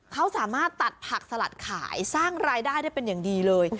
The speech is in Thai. เขาสามารถตัดผักสลัดขายสร้างรายได้ได้เป็นอย่างดีเลย